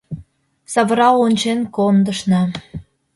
Савырал ончен кондышна.